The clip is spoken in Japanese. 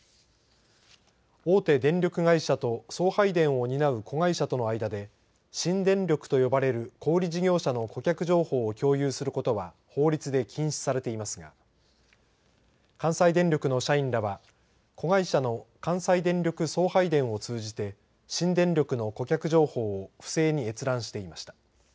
大手電力会社と送配電を担う子会社との間で新電力と呼ばれる小売事業者の顧客情報を共有することは法律で禁止されていますが関西電力の社員らは子会社の関西電力送配電を通じて新電力の顧客情報を不正に閲覧していました。